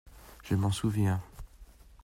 Je m’en souviens.